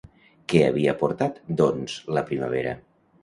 Què havia portat, doncs, la primavera?